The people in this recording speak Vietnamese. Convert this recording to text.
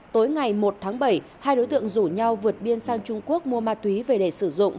tối ngày một tháng bảy hai đối tượng rủ nhau vượt biên sang trung quốc mua ma túy về để sử dụng